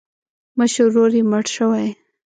مشر ورور یې مړ شوی.